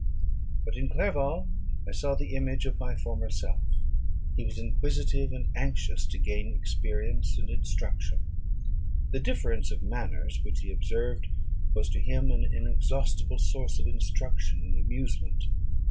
But in Clerval I saw the image of my former self; he was inquisitive, and anxious to gain experience and instruction. The difference of manners which he observed was to him an inexhaustible source of instruction and amusement.